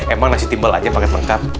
emang nasi timbal aja paket lengkap